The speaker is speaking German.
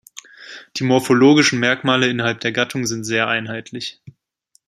Die morphologischen Merkmale innerhalb der Gattung sind sehr einheitlich.